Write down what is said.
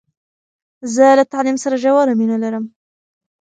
زه له تعلیم سره ژوره مینه لرم.